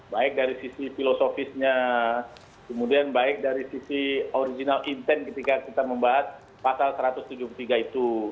baik dari sisi filosofisnya kemudian baik dari sisi original intent ketika kita membahas pasal satu ratus tujuh puluh tiga itu